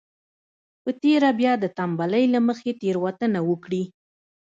په تېره بيا د تنبلۍ له مخې تېروتنه وکړي.